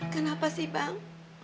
kenapa sih bang